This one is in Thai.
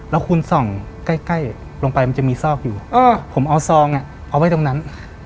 แล้วคุณส่องใกล้ลงไปมันจะมีซอกอยู่ผมเอาซองเอาไว้ตรงนั้น